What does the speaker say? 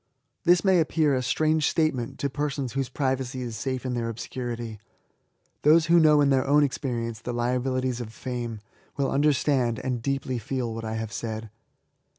This may ap pear a strange statement to persons whose privacy is safe in their obscurity. Those who know in 98 B88AYB. their own experience the liabilities of fame, will underistand, and deeply feel^ what I have said.